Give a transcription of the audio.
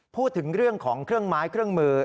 พูดถึงเรื่องของเครื่องไม้เครื่องมือ